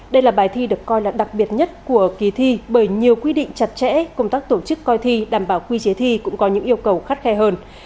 đây là bài thi được coi là đặc biệt nhất của kỳ thi bởi nhiều quy định chặt chẽ công tác tổ chức coi thi đảm bảo quy chế thi cũng có những yêu cầu khắt khe hơn